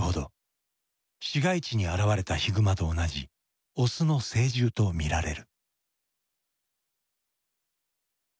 市街地に現れたヒグマと同じオスの成獣と見られる。